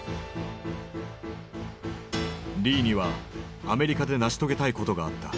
リーにはアメリカで成し遂げたいことがあった。